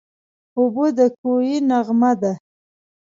اوبه د کوهي نغمه ده.